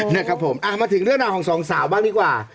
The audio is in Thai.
นะครับผมมาถึงเรื่องราวของสองสาวบ้างดีกว่า